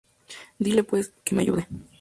Dile pues, que me ayude.